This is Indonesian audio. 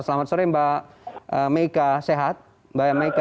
selamat sore mbak meika sehat mbak meka